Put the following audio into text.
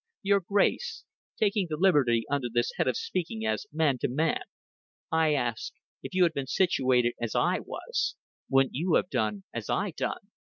"Your Grace, taking the liberty under this head of speaking as man to man, I ask: If you had been situated as I was, wouldn't you have done as I done?"